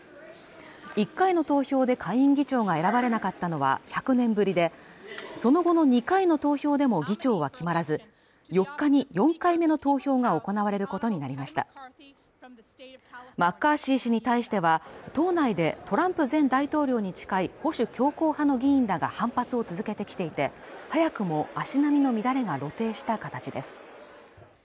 １回の投票で下院議長が選ばれなかったのは１００年ぶりでその後の２回の投票でも議長は決まらず４日に４回目の投票が行われることになりましたマッカーシー氏に対しては党内でトランプ前大統領に近い保守強硬派の議員らが反発を続けてきていて早くも足並みの乱れが露呈した形です